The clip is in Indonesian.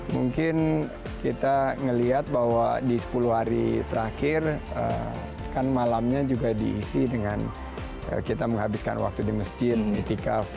mungkin kita melihat bahwa di sepuluh hari terakhir kan malamnya juga diisi dengan kita menghabiskan waktu di masjid itikaf